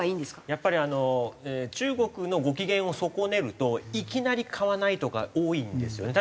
やっぱりあの中国のご機嫌を損ねるといきなり買わないとか多いんですよね。